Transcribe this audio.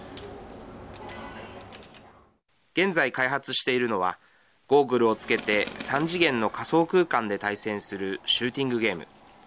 現在、開発しているのはゴーグルをつけて三次元の仮想空間で対戦するシューティングゲーム。